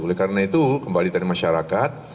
oleh karena itu kembali dari masyarakat